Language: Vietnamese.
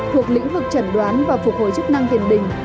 thuộc lĩnh vực chẩn đoán và phục hồi chức năng tiền bình